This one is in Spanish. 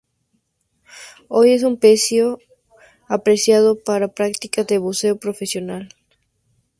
Hoy es un pecio apreciado para prácticas de buceo profesional.